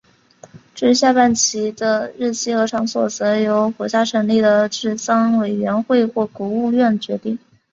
至于下半旗的日期和场所则由国家成立的治丧委员会或国务院决定。